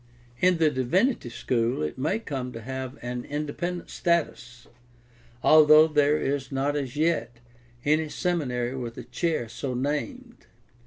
In the divinity school it may come to have an independent status, although there is not as yet any seminary with a chair so named.